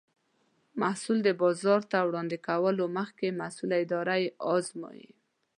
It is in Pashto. محصول د بازار ته وړاندې کولو مخکې مسؤله اداره یې ازمایي.